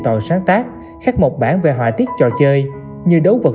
tòi sáng tác khác một bản về họa tiết trò chơi như đấu vật